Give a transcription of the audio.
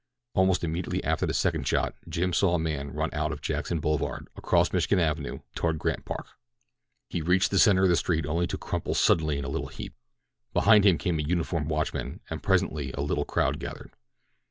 Almost immediately after the second shot Jim saw a man run out of Jackson Boulevard across Michigan Avenue toward Grant Park. He reached the center of the street only to crumple suddenly into a little heap. Behind him came a uniformed watchman, and presently a little crowd gathered.